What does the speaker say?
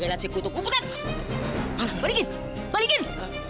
relasi kutu kuburan balikin balikin